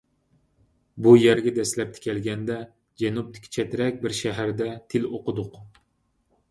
بۇ يەرگە دەسلەپتە كەلگەندە جەنۇبتىكى چەترەك بىر شەھەردە تىل ئوقۇدۇق.